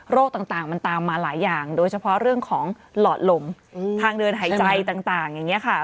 ต่างมันตามมาหลายอย่างโดยเฉพาะเรื่องของหลอดลมทางเดินหายใจต่างอย่างนี้ค่ะ